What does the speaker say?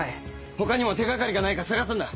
他にも手掛かりがないか探すんだ。